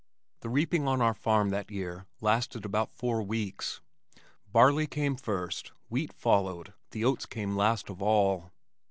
The reaping on our farm that year lasted about four weeks. Barley came first, wheat followed, the oats came last of all.